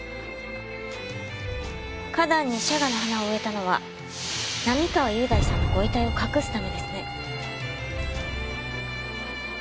花壇にシャガの花を植えたのは並河優大さんのご遺体を隠すためですね？